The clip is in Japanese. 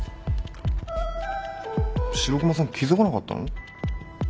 白熊さん気付かなかったの？